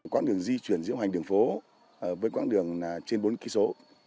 quãng đường di chuyển diễu hành đường phố với quãng đường trên bốn kỳ số